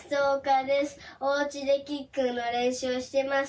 おうちでキックのれんしゅうをしてます。